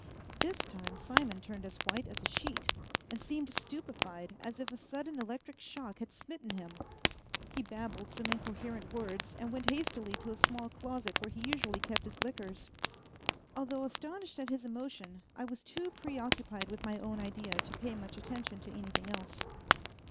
This time Simon turned as white as a sheet, and seemed stupefied, as if a sudden electric shock had smitten him. He babbled some incoherent words, and went hastily to a small closet where he usually kept his liquors. Although astonished at his emotion, I was too preoccupied with my own idea to pay much attention to anything else.